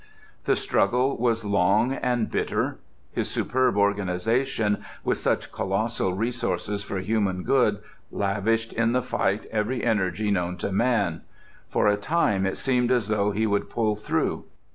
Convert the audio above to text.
The struggle was long and bitter. His superb organization, with such colossal resources for human good, lavished in the fight every energy known to man. For a time it seemed as though he would pull through.